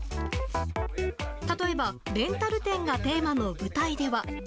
例えば、レンタル店がテーマの舞台では。